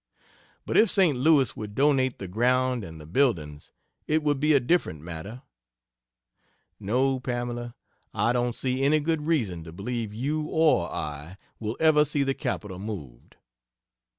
But if St. Louis would donate the ground and the buildings, it would be a different matter. No, Pamela, I don't see any good reason to believe you or I will ever see the capital moved.